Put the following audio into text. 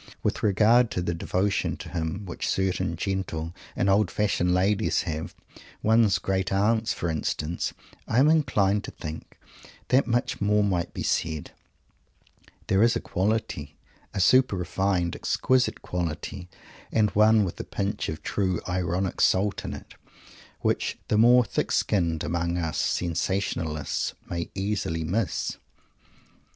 With regard to the devotion to him which certain gentle and old fashioned ladies have one's great aunts, for instance I am inclined to think that much more might be said. There is a quality, a super refined, exquisite quality, and one with a pinch of true ironic salt in it, which the more thick skinned among us sensationalists may easily miss.